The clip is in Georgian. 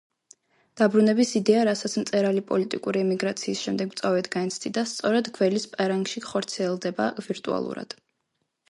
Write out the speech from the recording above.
დაბრუნების იდეა, რასაც მწერალი პოლიტიკური ემიგრაციის შემდეგ მწვავედ განიცდიდა, სწორედ გველის პერანგში ხორციელდება ვირტუალურად.